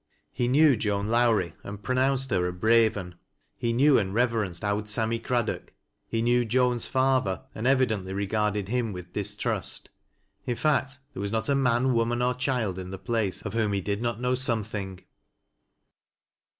He knew Joan Lowrie and pronounced her a " brave un ;" he knew and reverenced " Owd Sammy Craddock ;" he knew Joan's father and evidently regarded him with distrust; in fact there was not a man, woman or child in the place of whom he did not know something.